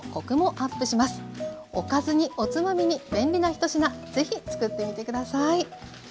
おかずにおつまみに便利な一品是非つくってみて下さい。